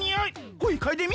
ほいかいでみ。